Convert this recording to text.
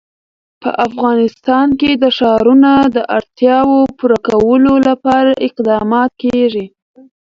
په افغانستان کې د ښارونه د اړتیاوو پوره کولو لپاره اقدامات کېږي.